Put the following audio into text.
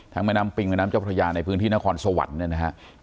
แม่น้ำปิงแม่น้ำเจ้าพระยาในพื้นที่นครสวรรค์เนี่ยนะครับ